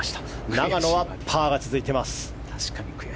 永野はパーが続いています。